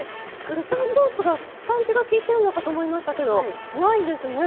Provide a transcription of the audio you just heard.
ウスターソースがパンチがきいてるのかと思いましたけどないですね。